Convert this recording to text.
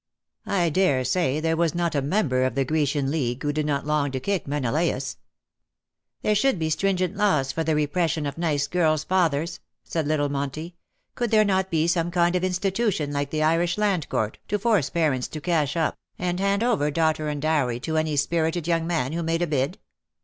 I daresay there was not a member of the Grecian League who did not long to kick Menelaus.^^ "There should be stringent laws for the re pression of nice girls' fathers," said little Monty. " Could there not be some kind of institution like the Irish Land Court, to force parents to cash up, o2 196 '' HIS LADY SMILES ; and hand over daughter and dowry to any spirited young man who made a bid